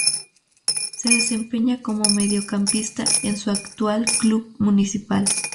Se desempeña como mediocampista en su actual club Municipal.